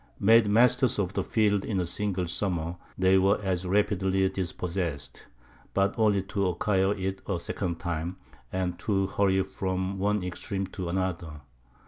Made masters of the field in a single summer, they were as rapidly dispossessed; but only to acquire it a second time, and to hurry from one extreme to another.